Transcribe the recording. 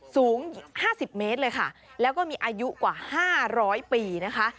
สูง๕๐เมตรเลยค่ะแล้วก็มีอายุกว่า๕๐๐ปีนะคะ